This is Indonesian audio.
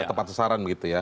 tepat sesaran begitu ya